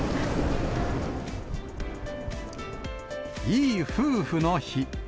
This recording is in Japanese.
いい夫婦の日。